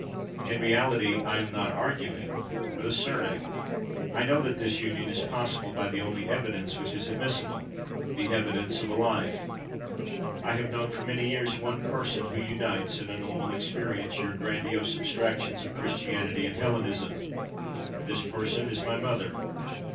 In reality, I am not arguing, but asserting. I know that this union is possible by the only evidence which is admissible the evidence of a life. I have known for many years one person who unites in a normal experience your grandiose abstractions of Christianity and Hellenism. This person is my mother.